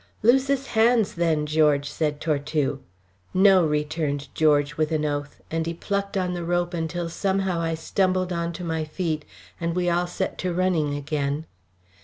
"Loose his hands then, George," said Tortue. "No," returned George, with an oath, and he plucked on the rope until somehow I stumbled on to my feet, and we all set to running again.